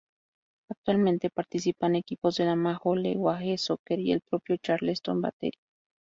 Actualmente participan equipos de la Major League Soccer y el propio Charleston Battery.